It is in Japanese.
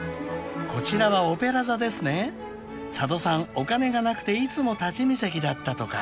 お金がなくていつも立ち見席だったとか］